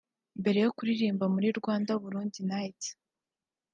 Mbere yo kuririmba muri Rwanda-Burundi Night